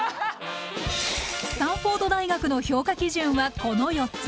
スタンフォード大学の評価基準はこの４つ。